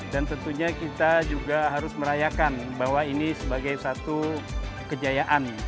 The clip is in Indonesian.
tentunya kita juga harus merayakan bahwa ini sebagai satu kejayaan